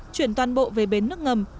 chuyển toàn bộ về bến nước ngầm